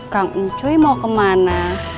kang ucuy mau kemana